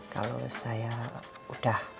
kalau saya udah